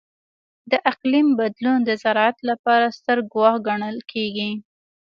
د اقلیم بدلون د زراعت لپاره ستر ګواښ ګڼل کېږي.